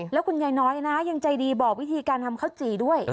แล้วคุณยายน้อยนะยังใจดีบอกวิธีการทำข้าวจี่ด้วย